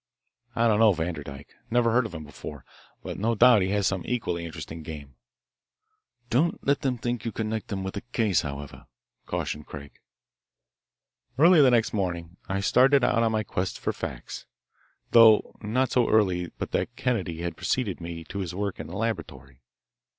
I don't know Vanderdyke, never heard of him before, but no doubt he has some equally interesting game." "Don't let them think you connect them with the case, however," cautioned Craig. Early the next morning I started out on my quest for facts, though not so early but that Kennedy had preceded me to his work in his laboratory.